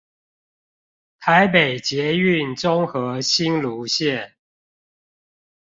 臺北捷運中和新蘆線